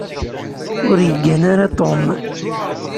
Ur yeggan ara Tom.